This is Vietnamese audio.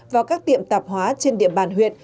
vào các tiệm tạp hóa trên điểm bàn huyện